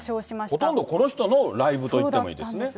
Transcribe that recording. ほとんどこの人のライブと言ってもいいですね。